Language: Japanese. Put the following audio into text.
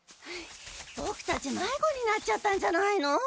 ボクたちまいごになっちゃったんじゃないの？